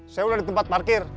saya udah di tempat parkir